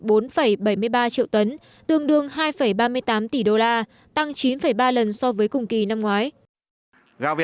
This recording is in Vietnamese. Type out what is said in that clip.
đạt bảy mươi ba triệu tấn tương đương hai ba mươi tám tỷ đô la tăng chín ba lần so với cùng kỳ năm ngoái